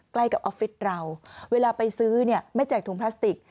ใกล้กับออฟฟิศเราเวลาไปซื้อเนี่ยไม่แจกถุงพลาสติก